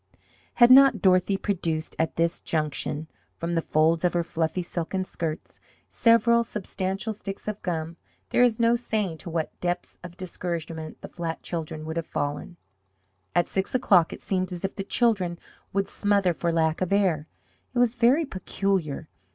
Had not Dorothy produced, at this junction, from the folds of her fluffy silken skirts several substantial sticks of gum, there is no saying to what depths of discouragement the flat children would have fallen! About six o'clock it seemed as if the children would smother for lack of air! It was very peculiar.